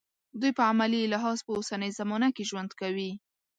دوی په عملي لحاظ په اوسنۍ زمانه کې ژوند کوي.